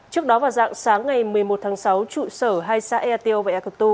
trước đó vào dạng sáng ngày một mươi một tháng sáu trụ sở hai xã ateo và ekoto